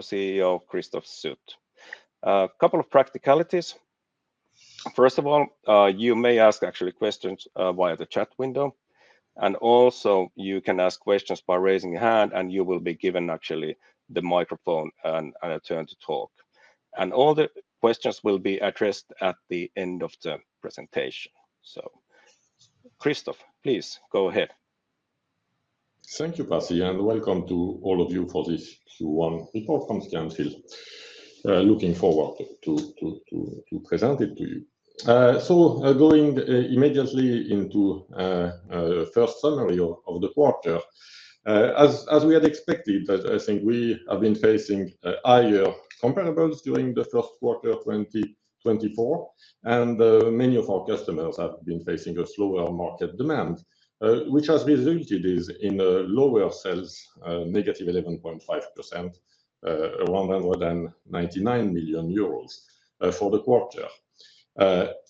CEO Christophe Sut. A couple of practicalities. First of all, you may ask actually questions via the chat window, and also you can ask questions by raising your hand and you will be given actually the microphone and a turn to talk. And all the questions will be addressed at the end of the presentation. Christophe, please go ahead. Thank you Pasi, and welcome to all of you for this Q1 report from Scanfil. Looking forward to present it to you. So going immediately into the first summary of the quarter, as we had expected, I think we have been facing higher comparables during the first quarter 2024, and many of our customers have been facing a slower market demand, which has resulted in lower sales, -11.5%, around EUR 199 million for the quarter.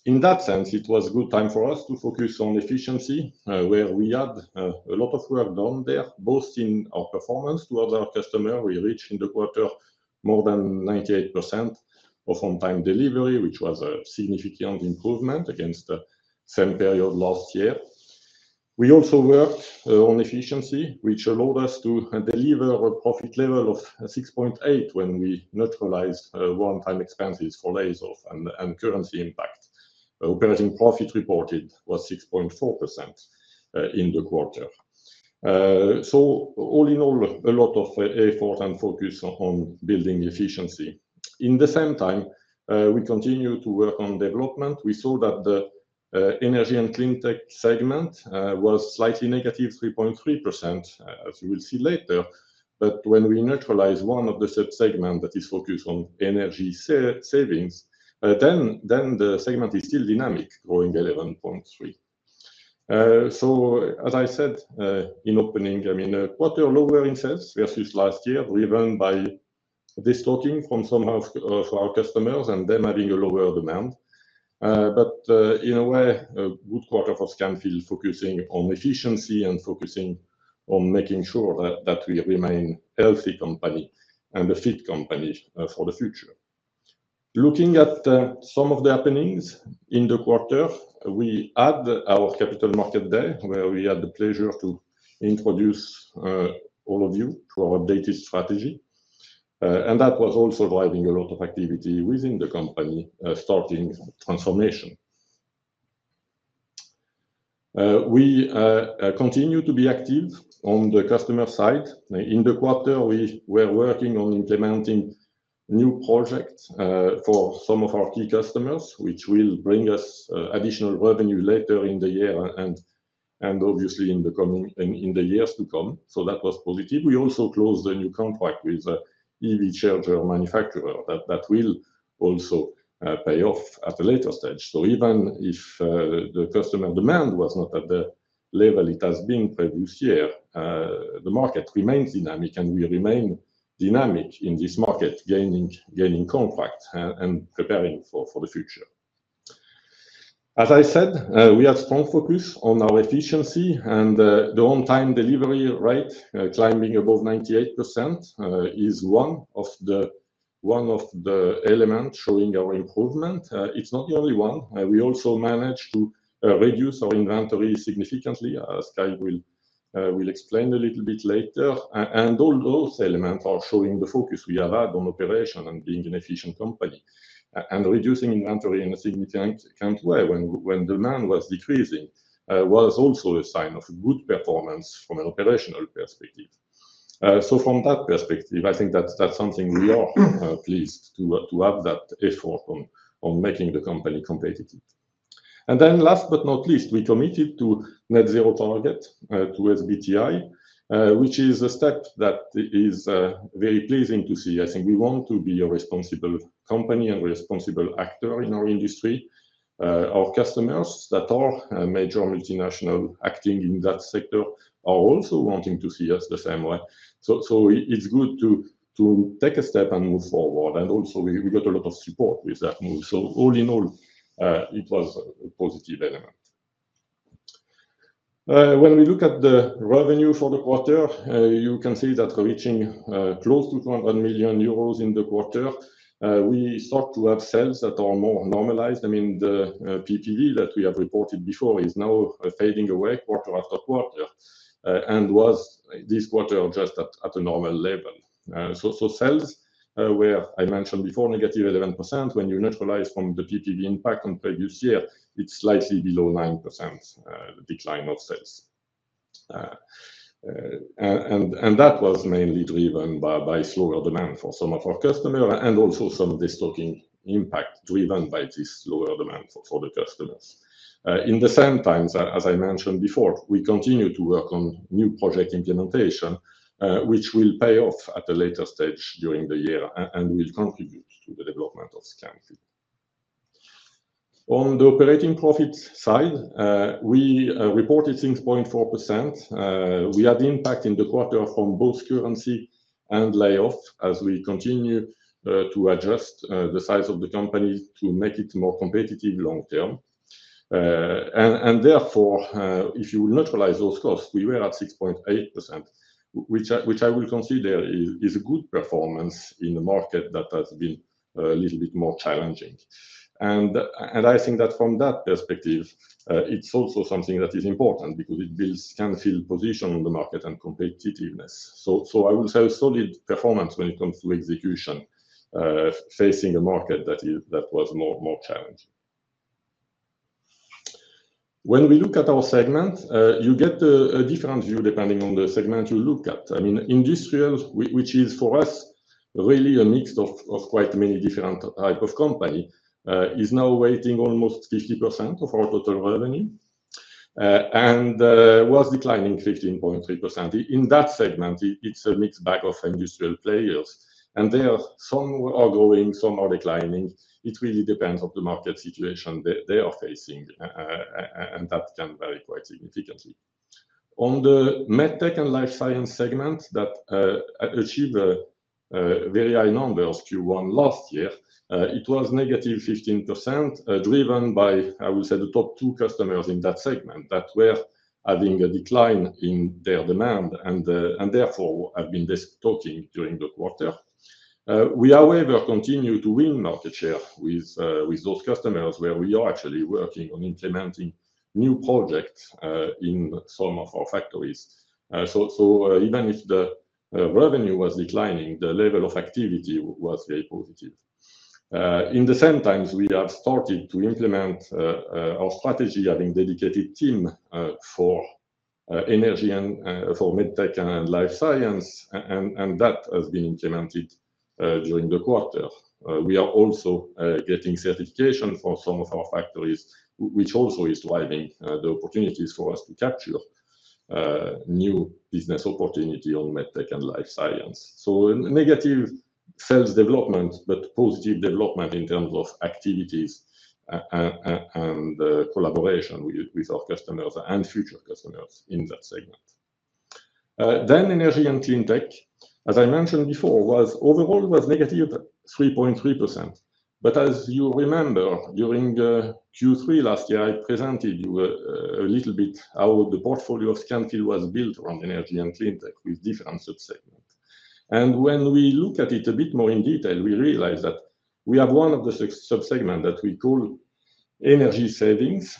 In that sense, it was a good time for us to focus on efficiency, where we had a lot of work done there, both in our performance towards our customer. We reached in the quarter more than 98% of on-time delivery, which was a significant improvement against the same period last year. We also worked on efficiency, which allowed us to deliver a profit level of 6.8% when we neutralized one-time expenses for layoffs and currency impact. Operating profit reported was 6.4% in the quarter. So all in all, a lot of effort and focus on building efficiency. At the same time, we continue to work on development. We saw that the energy and cleantech segment was slightly negative 3.3%, as you will see later. But when we neutralize one of the subsegments that is focused on energy savings, then the segment is still dynamic, growing 11.3%. So as I said in opening, I mean, a quarter lower in sales versus last year, driven by distortions somehow for our customers and them having a lower demand. But in a way, a good quarter for Scanfil focusing on efficiency and focusing on making sure that we remain a healthy company and a fit company for the future. Looking at some of the happenings in the quarter, we had our capital market day, where we had the pleasure to introduce all of you to our updated strategy. And that was also driving a lot of activity within the company, starting transformation. We continue to be active on the customer side. In the quarter, we were working on implementing new projects for some of our key customers, which will bring us additional revenue later in the year and obviously in the years to come. So that was positive. We also closed a new contract with an EV charger manufacturer that will also pay off at a later stage. So even if the customer demand was not at the level it has been previous year, the market remains dynamic, and we remain dynamic in this market, gaining contract and preparing for the future. As I said, we have strong focus on our efficiency, and the on-time delivery rate climbing above 98% is one of the elements showing our improvement. It's not the only one. We also managed to reduce our inventory significantly, as Kai will explain a little bit later. All those elements are showing the focus we have had on operation and being an efficient company. Reducing inventory in a significant way when demand was decreasing was also a sign of good performance from an operational perspective. So from that perspective, I think that's something we are pleased to have that effort on making the company competitive. And then last but not least, we committed to net zero target to SBTi, which is a step that is very pleasing to see. I think we want to be a responsible company and a responsible actor in our industry. Our customers that are major multinationals acting in that sector are also wanting to see us the same way. So it's good to take a step and move forward. And also, we got a lot of support with that move. So all in all, it was a positive element. When we look at the revenue for the quarter, you can see that reaching close to 200 million euros in the quarter, we start to have sales that are more normalized. I mean, the PPV that we have reported before is now fading away quarter after quarter and was this quarter just at a normal level. Sales were, I mentioned before, -11%. When you neutralize from the PPV impact on previous year, it's slightly below 9% decline of sales. That was mainly driven by slower demand for some of our customers and also some distorting impact driven by this lower demand for the customers. In the same times, as I mentioned before, we continue to work on new project implementation, which will pay off at a later stage during the year and will contribute to the development of Scanfil. On the operating profit side, we reported 6.4%. We had impact in the quarter from both currency and layoffs as we continue to adjust the size of the company to make it more competitive long term. And therefore, if you will neutralize those costs, we were at 6.8%, which I will consider is a good performance in the market that has been a little bit more challenging. And I think that from that perspective, it's also something that is important because it builds Scanfil's position in the market and competitiveness. So I will say solid performance when it comes to execution facing a market that was more challenging. When we look at our segments, you get a different view depending on the segment you look at. I mean, industrial, which is for us really a mix of quite many different types of companies, is now weighing almost 50% of our total revenue and was declining 15.3%. In that segment, it's a mixed bag of industrial players. And there are some who are growing, some are declining. It really depends on the market situation they are facing. That can vary quite significantly. On the medtech and life science segment that achieved very high numbers Q1 last year, it was -15% driven by, I will say, the top two customers in that segment that were having a decline in their demand and therefore have been talking during the quarter. We, however, continue to win market share with those customers where we are actually working on implementing new projects in some of our factories. So even if the revenue was declining, the level of activity was very positive. In the same times, we have started to implement our strategy, having a dedicated team for medtech and life science. That has been implemented during the quarter. We are also getting certification for some of our factories, which also is driving the opportunities for us to capture new business opportunities on medtech and life science. So negative sales development, but positive development in terms of activities and collaboration with our customers and future customers in that segment. Then energy and cleantech, as I mentioned before, overall was negative 3.3%. But as you remember, during Q3 last year, I presented you a little bit how the portfolio of Scanfil was built around energy and cleantech with different subsegments. And when we look at it a bit more in detail, we realize that we have one of the subsegments that we call energy savings.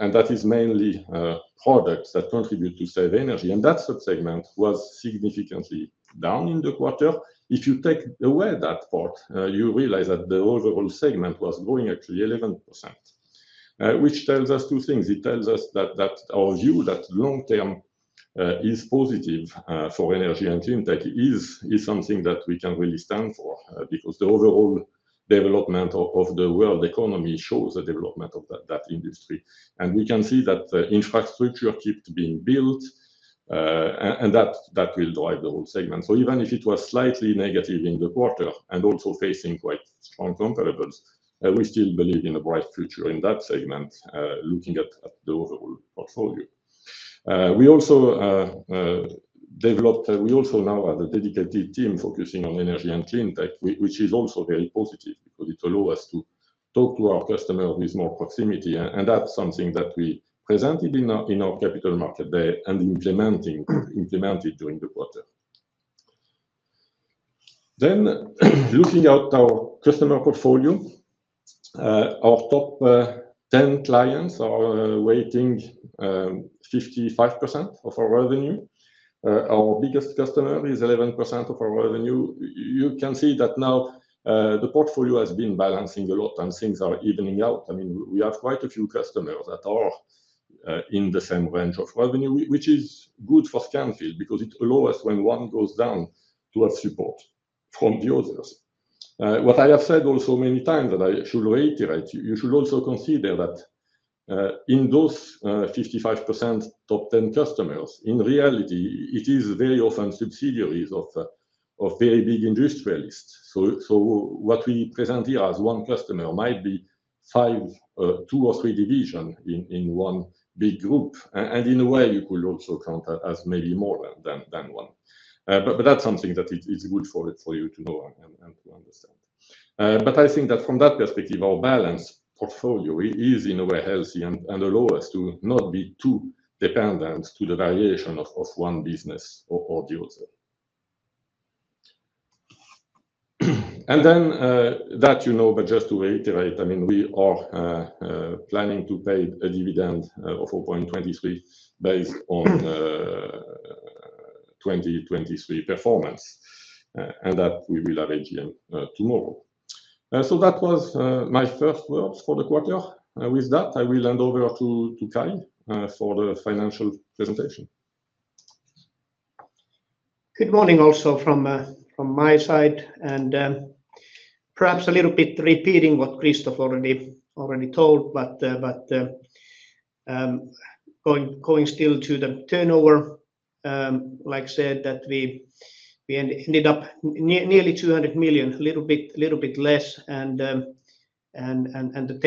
And that subsegment was significantly down in the quarter. If you take away that part, you realize that the overall segment was growing actually 11%, which tells us two things. It tells us that our view that long-term is positive for energy and cleantech is something that we can really stand for because the overall development of the world economy shows the development of that industry. We can see that the infrastructure keeps being built. That will drive the whole segment. Even if it was slightly negative in the quarter and also facing quite strong comparables, we still believe in a bright future in that segment, looking at the overall portfolio. We also now have a dedicated team focusing on energy and cleantech, which is also very positive because it allows us to talk to our customers with more proximity. That's something that we presented in our capital market day and implemented during the quarter. Looking at our customer portfolio, our top 10 clients are weighting 55% of our revenue. Our biggest customer is 11% of our revenue. You can see that now the portfolio has been balancing a lot and things are evening out. I mean, we have quite a few customers that are in the same range of revenue, which is good for Scanfil because it allows us when one goes down to have support from the others. What I have said also many times that I should reiterate, you should also consider that in those 55% top 10 customers, in reality, it is very often subsidiaries of very big industrialists. So what we present here as one customer might be two or three divisions in one big group. And in a way, you could also count as maybe more than one. But that's something that it's good for you to know and to understand. But I think that from that perspective, our balanced portfolio is in a way healthy and allows us to not be too dependent on the variation of one business or the other. And then that, you know, but just to reiterate, I mean, we are planning to pay a dividend of 4.23% based on 2023 performance. And that we will have AGM tomorrow. So that was my first words for the quarter. With that, I will hand over to Kai for the financial presentation. Good morning also from my side. Perhaps a little bit repeating what Christophe already told, but going still to the turnover. Like I said, that we ended up nearly 200 million, a little bit less. And the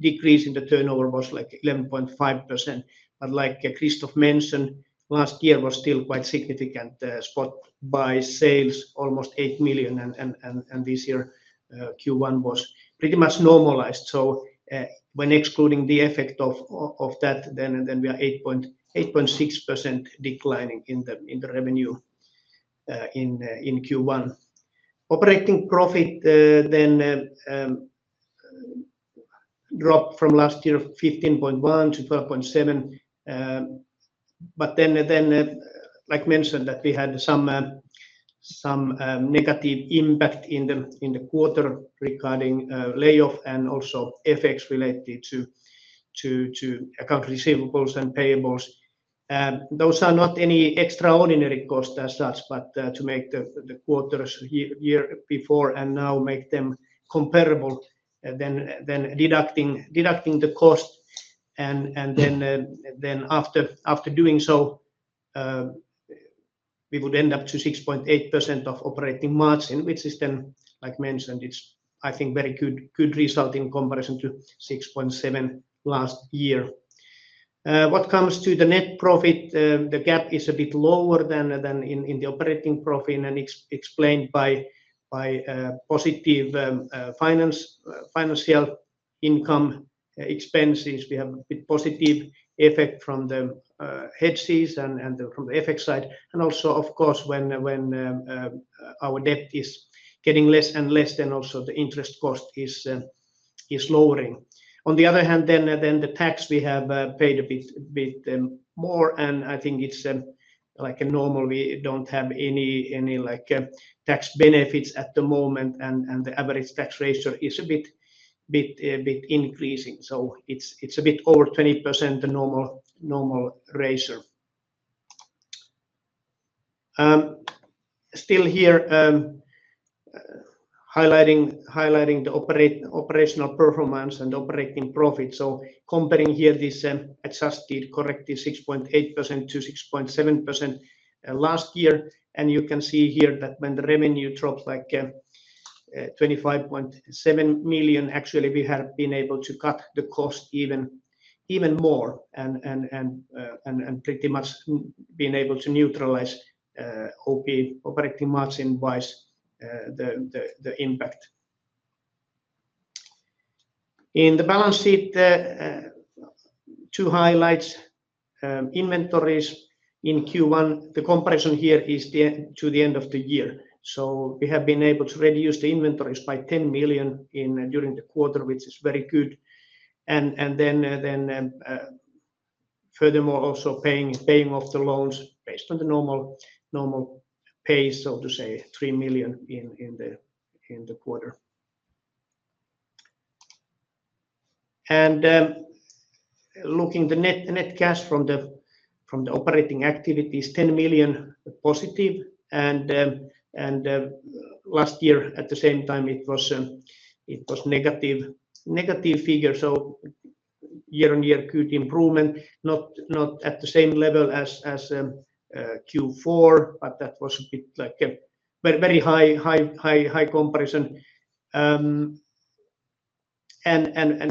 decrease in the turnover was like 11.5%. But like Christophe mentioned, last year was still quite significant spot-buy sales, almost 8 million. And this year, Q1 was pretty much normalized. So when excluding the effect of that, then we are 8.6% declining in the revenue in Q1. Operating profit then dropped from last year of 15.1% to 12.7%. But then, like mentioned, that we had some negative impact in the quarter regarding layoffs and also effects related to accounts receivable and payables. Those are not any extraordinary costs as such, but to make the quarters year before and now make them comparable, then deducting the cost. And then after doing so, we would end up to 6.8% of operating margin, which is then, like mentioned, I think a very good result in comparison to 6.7% last year. What comes to the net profit, the gap is a bit lower than in the operating profit and explained by positive financial income expenses. We have a bit positive effect from the hedges and from the effect side. And also, of course, when our debt is getting less and less, then also the interest cost is lowering. On the other hand, then the tax we have paid a bit more. And I think it's like normal, we don't have any tax benefits at the moment. And the average tax ratio is a bit increasing. So it's a bit over 20%, the normal ratio. Still here, highlighting the operational performance and operating profit. So comparing here this adjusted corrected 6.8% to 6.7% last year. And you can see here that when the revenue dropped like 25.7 million, actually, we have been able to cut the cost even more and pretty much been able to neutralize operating margin-wise the impact. In the balance sheet, two highlights: inventories in Q1. The comparison here is to the end of the year. So we have been able to reduce the inventories by 10 million during the quarter, which is very good. And then furthermore, also paying off the loans based on the normal pace, so to say, 3 million in the quarter. And looking at the net cash from the operating activities, 10 million positive. And last year, at the same time, it was negative figure. So year-on-year good improvement, not at the same level as Q4, but that was a bit like a very high comparison.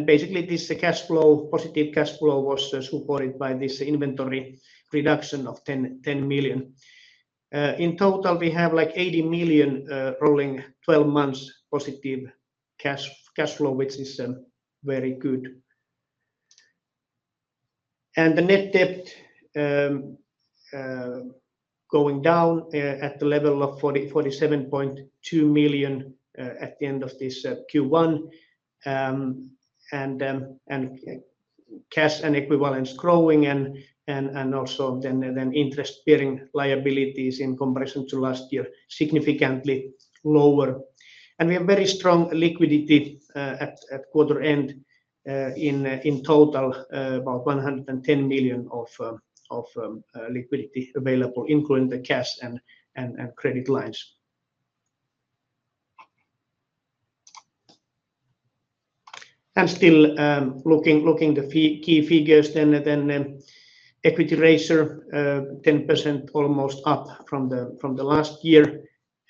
Basically, this cash flow, positive cash flow, was supported by this inventory reduction of 10 million. In total, we have like 80 million rolling 12 months positive cash flow, which is very good. The net debt going down at the level of 47.2 million at the end of this Q1. Cash and equivalents growing. Interest-bearing liabilities in comparison to last year, significantly lower. We have very strong liquidity at quarter end in total, about 110 million of liquidity available, including the cash and credit lines. Still looking at the key figures, then the equity ratio, 10% almost up from the last year.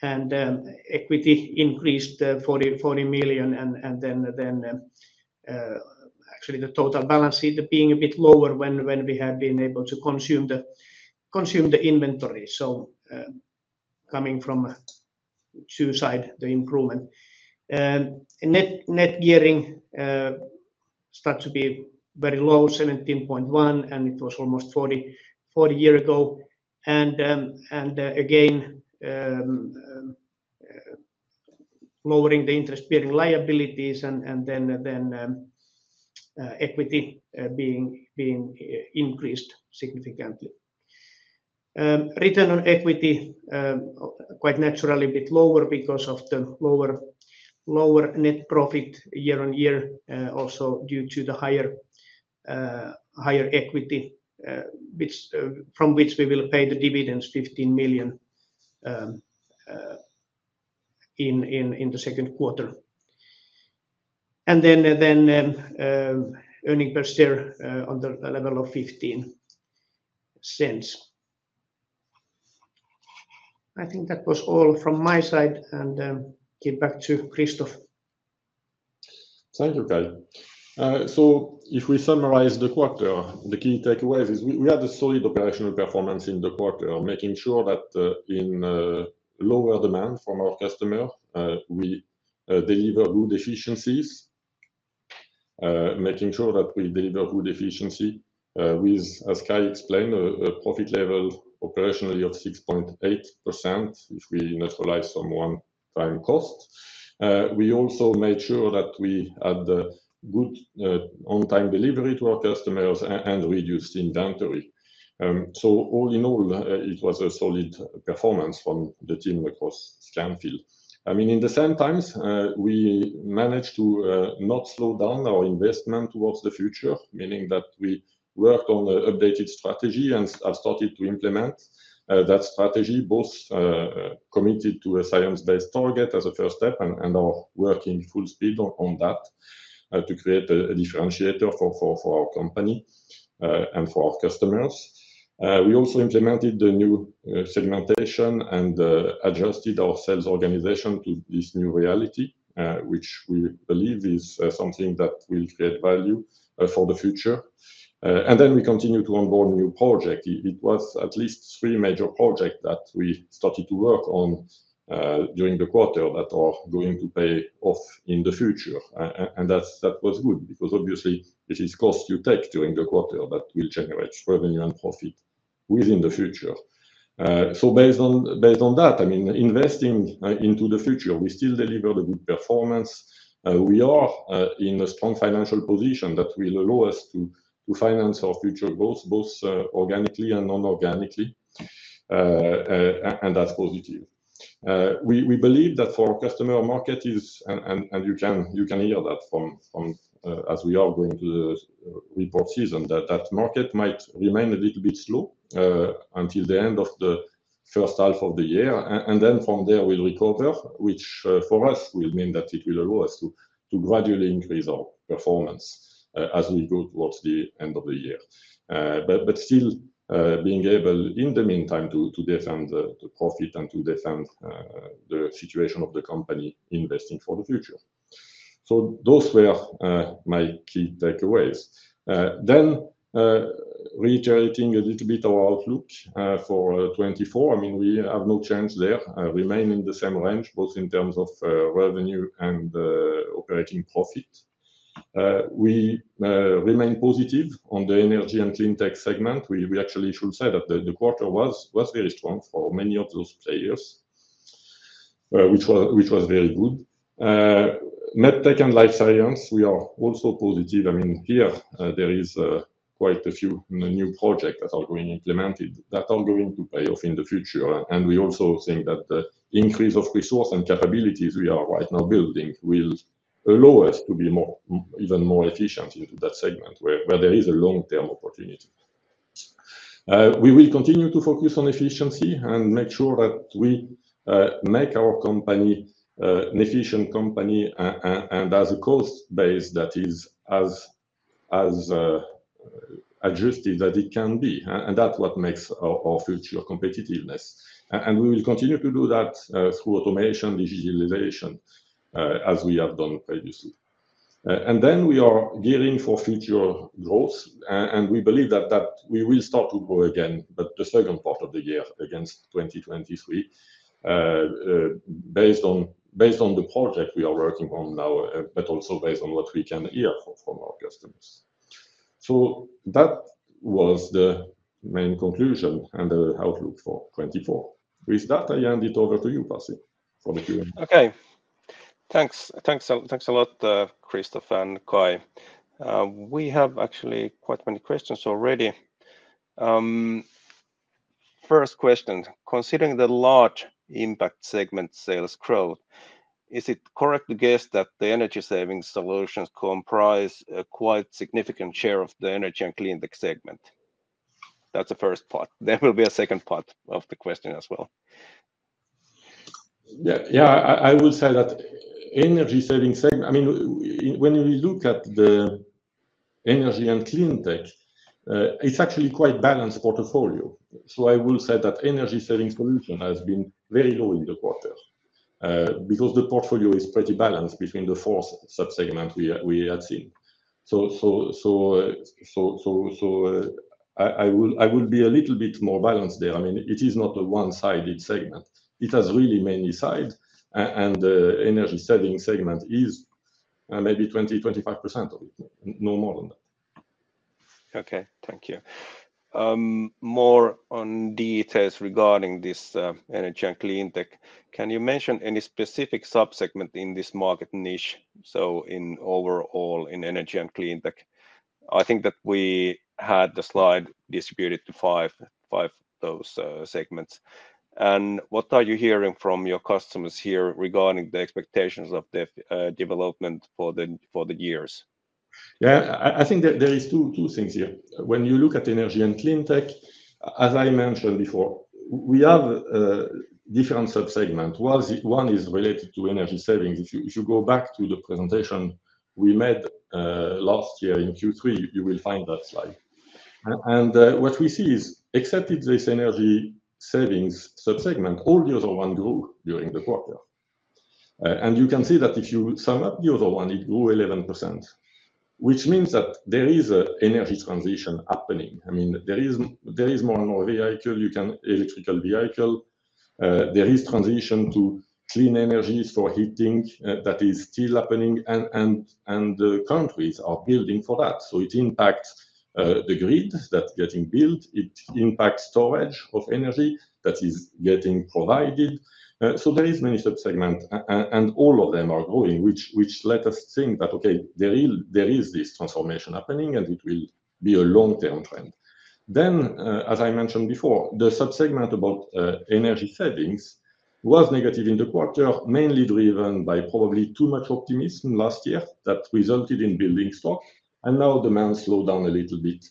Equity increased EUR 40 million. Actually, the total balance sheet being a bit lower when we have been able to consume the inventory. So coming from Q side, the improvement. Net gearing starts to be very low, 17.1%. It was almost 40 years ago. Again, lowering the interest-bearing liabilities. Then equity being increased significantly. Return on equity, quite naturally, a bit lower because of the lower net profit year-on-year, also due to the higher equity from which we will pay the dividends, 15 million, in the second quarter. Then earnings per share on the level of 0.15. I think that was all from my side. Give back to Christophe. Thank you, Kai. So if we summarize the quarter, the key takeaways is we had a solid operational performance in the quarter, making sure that in lower demand from our customer, we deliver good efficiencies, making sure that we deliver good efficiency with, as Kai explained, a profit level operationally of 6.8% if we neutralize some one-time cost. We also made sure that we had good on-time delivery to our customers and reduced inventory. So all in all, it was a solid performance from the team across Scanfil. I mean, in the same times, we managed to not slow down our investment towards the future, meaning that we worked on an updated strategy and have started to implement that strategy, both committed to a science-based target as a first step and are working full speed on that to create a differentiator for our company and for our customers. We also implemented the new segmentation and adjusted our sales organization to this new reality, which we believe is something that will create value for the future. Then we continue to onboard new projects. It was at least three major projects that we started to work on during the quarter that are going to pay off in the future. And that was good because obviously, this is cost you take during the quarter that will generate revenue and profit within the future. So based on that, I mean, investing into the future, we still deliver the good performance. We are in a strong financial position that will allow us to finance our future growth, both organically and non-organically. That's positive. We believe that for our customer market is, and you can hear that as we are going to the report season, that market might remain a little bit slow until the end of the first half of the year. And then from there, we'll recover, which for us will mean that it will allow us to gradually increase our performance as we go towards the end of the year. But still being able, in the meantime, to defend the profit and to defend the situation of the company investing for the future. So those were my key takeaways. Then reiterating a little bit our outlook for 2024. I mean, we have no change there, remaining in the same range, both in terms of revenue and operating profit. We remain positive on the energy and cleantech segment. We actually should say that the quarter was very strong for many of those players, which was very good. Medtech and Life Science, we are also positive. I mean, here, there is quite a few new projects that are going to be implemented that are going to pay off in the future. And we also think that the increase of resource and capabilities we are right now building will allow us to be even more efficient into that segment where there is a long-term opportunity. We will continue to focus on efficiency and make sure that we make our company an efficient company and as a cost base that is as adjusted that it can be. And that's what makes our future competitiveness. And we will continue to do that through automation, digitalization, as we have done previously. And then we are gearing for future growth. We believe that we will start to grow again, but the second part of the year against 2023, based on the project we are working on now, but also based on what we can hear from our customers. That was the main conclusion and the outlook for 2024. With that, I hand it over to you, Pasi, for the Q&A. Okay. Thanks a lot, Christophe and Kai. We have actually quite many questions already. First question, considering the large impact segment sales growth, is it correct to guess that the energy savings solutions comprise a quite significant share of the energy and cleantech segment? That's the first part. There will be a second part of the question as well. Yeah, I will say that energy savings segment, I mean, when we look at the energy and cleantech, it's actually quite balanced portfolio. So I will say that energy savings solution has been very low in the quarter because the portfolio is pretty balanced between the four subsegments we had seen. So I will be a little bit more balanced there. I mean, it is not a one-sided segment. It has really many sides. And the energy savings segment is maybe 20%, 25% of it, no more than that. Okay. Thank you. More on details regarding this energy and cleantech, can you mention any specific subsegment in this market niche, so overall in energy and cleantech? I think that we had the slide distributed to five of those segments. What are you hearing from your customers here regarding the expectations of development for the years? Yeah, I think there are two things here. When you look at energy and cleantech, as I mentioned before, we have different subsegments. One is related to energy savings. If you go back to the presentation we made last year in Q3, you will find that slide. What we see is, except for this energy savings subsegment, all the other one grew during the quarter. You can see that if you sum up the other one, it grew 11%, which means that there is an energy transition happening. I mean, there is more and more vehicle, electric vehicle. There is transition to clean energies for heating that is still happening. Countries are building for that. So it impacts the grid that's getting built. It impacts storage of energy that is getting provided. So there are many subsegments. All of them are growing, which lets us think that, okay, there is this transformation happening, and it will be a long-term trend. Then, as I mentioned before, the subsegment about energy savings was negative in the quarter, mainly driven by probably too much optimism last year that resulted in building stock. And now demand slowed down a little bit,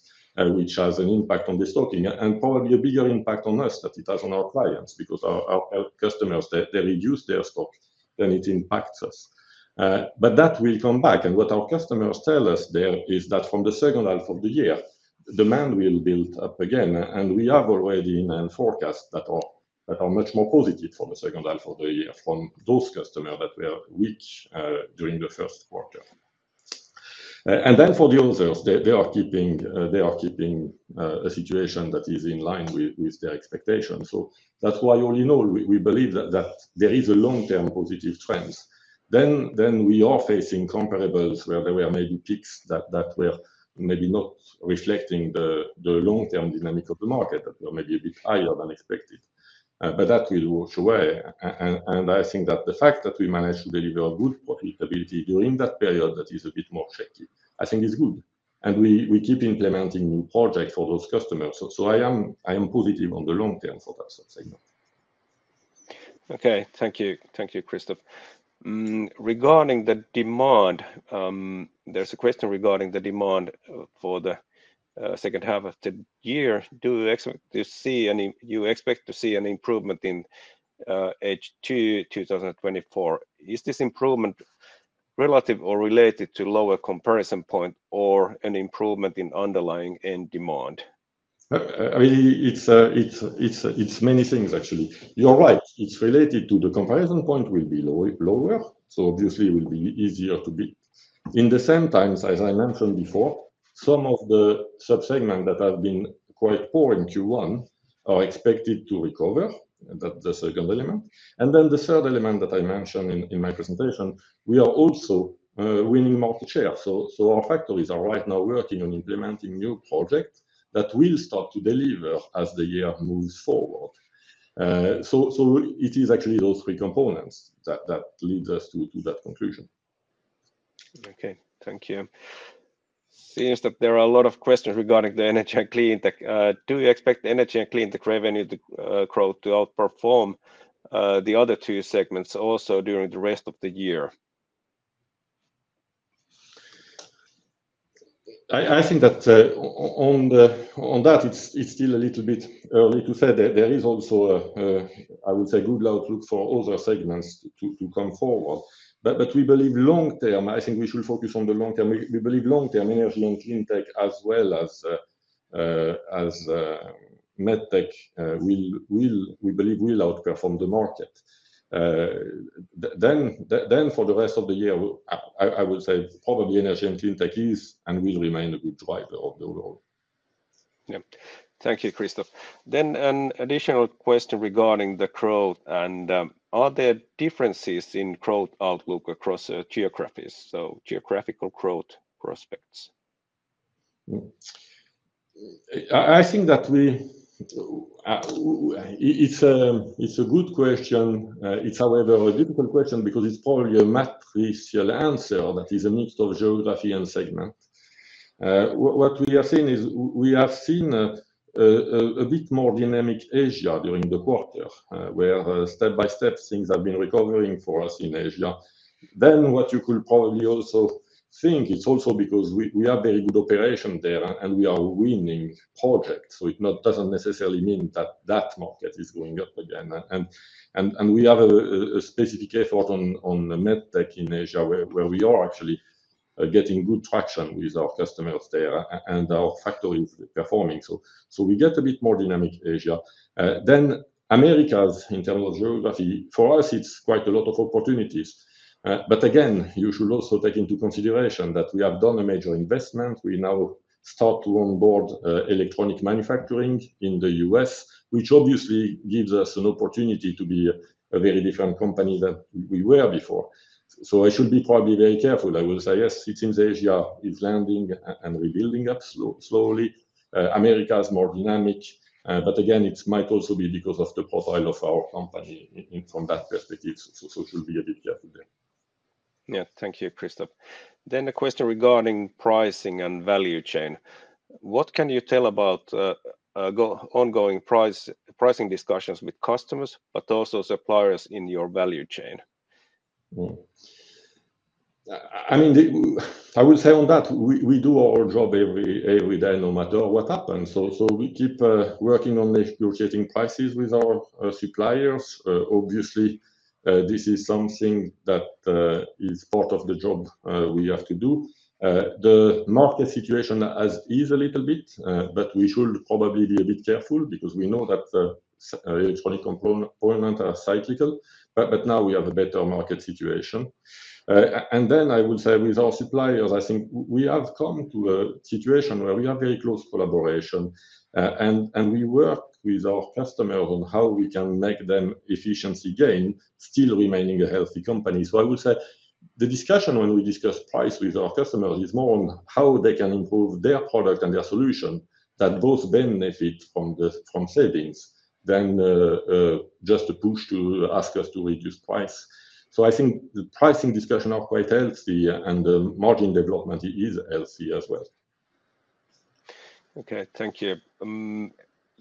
which has an impact on the stocking and probably a bigger impact on us than it has on our clients because our customers, they reduce their stock, then it impacts us. But that will come back. And what our customers tell us there is that from the second half of the year, demand will build up again. And we have already in forecasts that are much more positive for the second half of the year from those customers that were weak during the first quarter. Then for the others, they are keeping a situation that is in line with their expectations. So that's why, all in all, we believe that there is a long-term positive trend. We are facing comparables where there were maybe peaks that were maybe not reflecting the long-term dynamic of the market that were maybe a bit higher than expected. But that will wash away. And I think that the fact that we managed to deliver good profitability during that period that is a bit more shaky, I think is good. We keep implementing new projects for those customers. So I am positive on the long term for that subsegment. Okay. Thank you, Christophe. Regarding the demand, there's a question regarding the demand for the second half of the year. Do you see any, do you expect to see any improvement in H2 2024? Is this improvement relative or related to lower comparison point or an improvement in underlying end demand? I mean, it's many things, actually. You're right. It's related to the comparison point will be lower. So obviously, it will be easier to be. In the same times, as I mentioned before, some of the subsegments that have been quite poor in Q1 are expected to recover, the second element. And then the third element that I mentioned in my presentation, we are also winning market share. So our factories are right now working on implementing new projects that will start to deliver as the year moves forward. So it is actually those three components that lead us to that conclusion. Okay. Thank you. Seems that there are a lot of questions regarding the energy and cleantech. Do you expect the energy and cleantech revenue to grow to outperform the other two segments also during the rest of the year? I think that on that, it's still a little bit early to say. There is also, I would say, a good outlook for other segments to come forward. But we believe long-term, I think we should focus on the long term. We believe long-term energy and cleantech as well as medtech, we believe, will outperform the market. Then for the rest of the year, I would say probably energy and cleantech is and will remain a good driver of the overall. Yeah. Thank you, Christophe. Then an additional question regarding the growth. And are there differences in growth outlook across geographies, so geographical growth prospects? I think that it's a good question. It's, however, a difficult question because it's probably a matrixial answer that is a mixture of geography and segment. What we have seen is we have seen a bit more dynamic Asia during the quarter where step by step, things have been recovering for us in Asia. Then what you could probably also think is also because we have very good operation there, and we are winning projects. So it doesn't necessarily mean that that market is going up again. And we have a specific effort on Medtech in Asia where we are actually getting good traction with our customers there, and our factory is performing. So we get a bit more dynamic Asia. Then Americas, in terms of geography, for us, it's quite a lot of opportunities. But again, you should also take into consideration that we have done a major investment. We now start to onboard electronic manufacturing in the U.S., which obviously gives us an opportunity to be a very different company than we were before. So I should be probably very careful. I will say, yes, it seems Asia is landing and rebuilding up slowly. America is more dynamic. But again, it might also be because of the profile of our company from that perspective. So should be a bit careful there. Yeah. Thank you, Christophe. Then a question regarding pricing and value chain. What can you tell about ongoing pricing discussions with customers, but also suppliers in your value chain? I mean, I will say on that, we do our job every day, no matter what happens. So we keep working on negotiating prices with our suppliers. Obviously, this is something that is part of the job we have to do. The market situation has eased a little bit, but we should probably be a bit careful because we know that electronic components are cyclical. But now we have a better market situation. And then I will say with our suppliers, I think we have come to a situation where we have very close collaboration. And we work with our customers on how we can make them efficiency gain, still remaining a healthy company. I will say the discussion when we discuss price with our customers is more on how they can improve their product and their solution that both benefit from savings than just a push to ask us to reduce price. I think the pricing discussion are quite healthy, and the margin development is healthy as well. Okay. Thank you.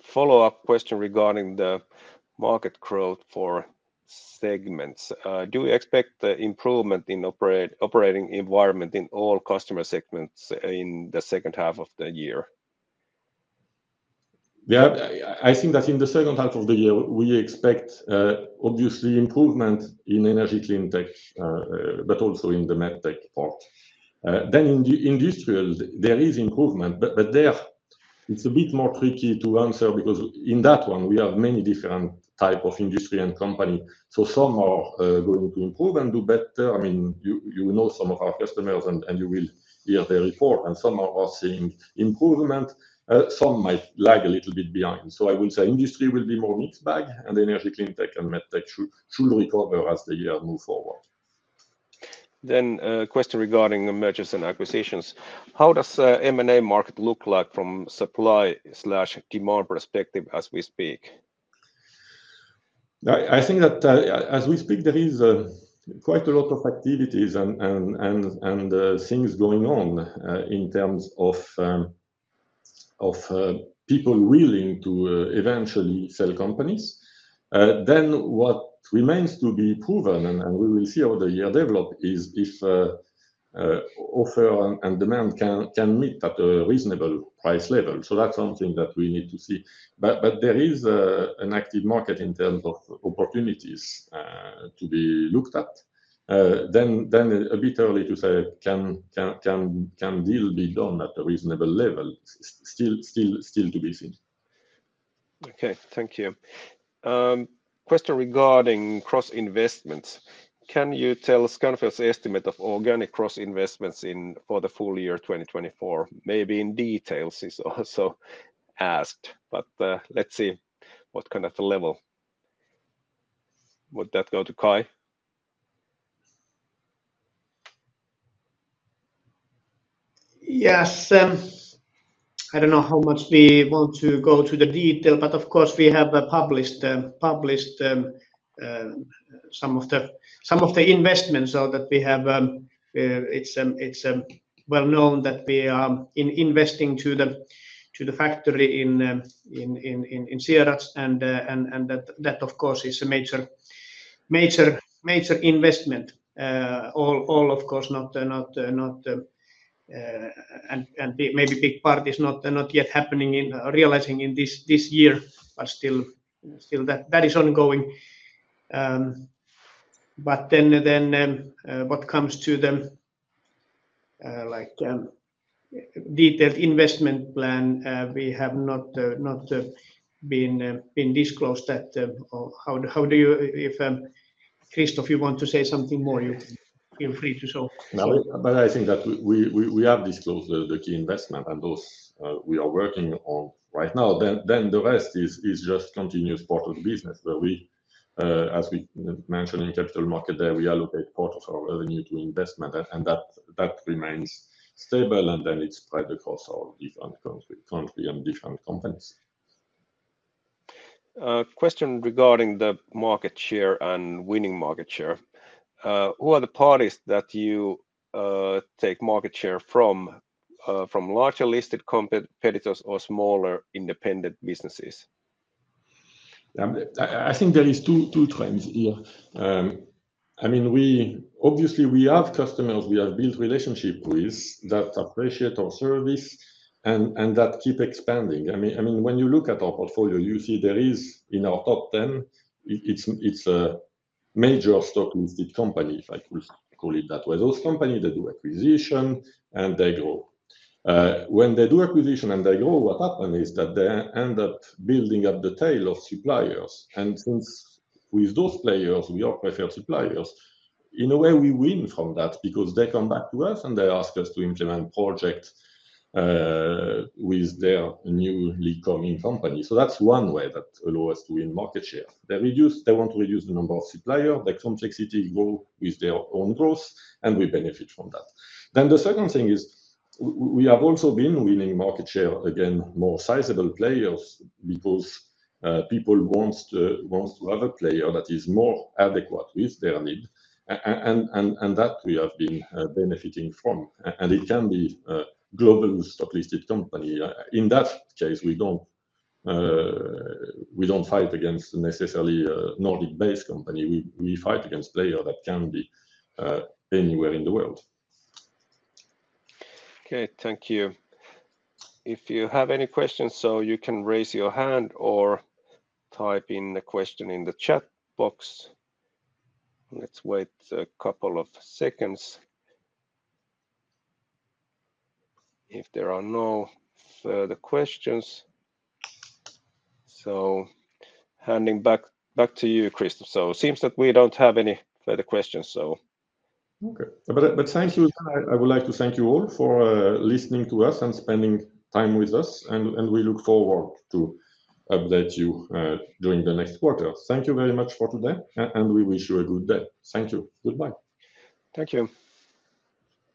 Follow-up question regarding the market growth for segments. Do we expect improvement in operating environment in all customer segments in the second half of the year? Yeah, I think that in the second half of the year, we expect obviously improvement in Energy Cleantech, but also in the Medtech part. Then in the Industrial, there is improvement. But there, it's a bit more tricky to answer because in that one, we have many different types of industry and company. So some are going to improve and do better. I mean, you know some of our customers, and you will hear their report. And some are seeing improvement. Some might lag a little bit behind. So I will say industry will be more mixed bag, and Energy Cleantech and Medtech should recover as the year move forward. Then a question regarding mergers and acquisitions. How does the M&A market look like from supply/demand perspective as we speak? I think that as we speak, there is quite a lot of activities and things going on in terms of people willing to eventually sell companies. Then what remains to be proven, and we will see how the year develops, is if offer and demand can meet at a reasonable price level. So that's something that we need to see. But there is an active market in terms of opportunities to be looked at. Then a bit early to say can deal be done at a reasonable level is still to be seen. Okay. Thank you. Question regarding cross-investments. Can you tell Scanfil's estimate of organic cross-investments for the full year 2024? Maybe in details is also asked. But let's see what kind of level would that go to, Kai? Yes. I don't know how much we want to go to the detail. But of course, we have published some of the investments so that we have, it's well known that we are investing to the factory in Sieradz. And that, of course, is a major investment. All, of course, not and maybe a big part is not yet happening, realizing in this year, but still that is ongoing. But then what comes to the detailed investment plan, we have not been disclosed that how do you if Christophe, you want to say something more, you feel free to so. I think that we have disclosed the key investment and those we are working on right now. The rest is just continuous part of the business where we, as we mentioned in capital market there, we allocate part of our revenue to investment. That remains stable. It's spread across all different countries and different companies. Question regarding the market share and winning market share. Who are the parties that you take market share from, from larger listed competitors or smaller independent businesses? I think there are two trends here. I mean, obviously, we have customers we have built relationships with that appreciate our service and that keep expanding. I mean, when you look at our portfolio, you see there is in our top 10, it's a major stock listed company, if I could call it that way. Those companies, they do acquisition, and they grow. When they do acquisition and they grow, what happens is that they end up building up the tail of suppliers. And since with those players, we are preferred suppliers, in a way, we win from that because they come back to us, and they ask us to implement projects with their newly coming company. So that's one way that allows us to win market share. They want to reduce the number of suppliers. Their complexity grows with their own growth. And we benefit from that. The second thing is we have also been winning market share again, more sizable players because people want to have a player that is more adequate with their need. That we have been benefiting from. It can be a global stock listed company. In that case, we don't fight against necessarily a Nordic-based company. We fight against players that can be anywhere in the world. Okay. Thank you. If you have any questions, you can raise your hand or type in the question in the chat box. Let's wait a couple of seconds if there are no further questions. Handing back to you, Christophe. It seems that we don't have any further questions. Okay. Thank you. I would like to thank you all for listening to us and spending time with us. We look forward to update you during the next quarter. Thank you very much for today. We wish you a good day. Thank you. Goodbye. Thank you.